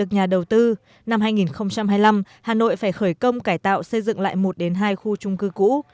năm hai nghìn hai mươi năm hà nội phải khởi công cải tạo xây dựng lại một đến hai khu trung cư cũ